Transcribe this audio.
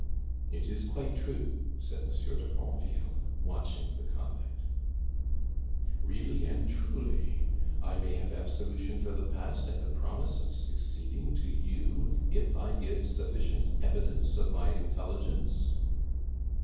"It is quite true," said Monsieur de Granville, watching the convict. "Really and truly! I may have absolution for the past and a promise of succeeding to you if I give sufficient evidence of my intelligence?"